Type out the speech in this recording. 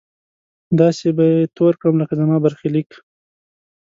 داسې به يې تور کړم لکه زما برخليک!